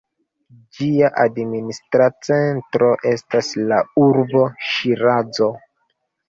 Ĝia administra centro estas la urbo Ŝirazo.